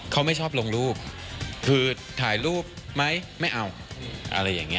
เขาไม่ชอบลงรูปคือถ่ายรูปไหมไม่เอาอะไรอย่างนี้